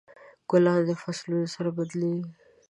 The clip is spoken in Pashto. ګلان د فصلونو سره بدلیږي.